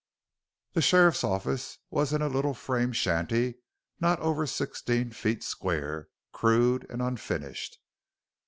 The sheriff's office was in a little frame shanty not over sixteen feet square, crude and unfinished.